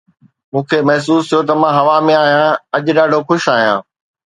مون کي محسوس ٿيو ته مان هوا ۾ آهيان، اڄ ڏاڍو خوش آهيان